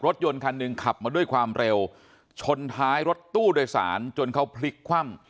รถยนต์คันหนึ่งขับมาด้วยความเร็วชนท้ายรถตู้โดยสารจนเขาพลิกคว่ำ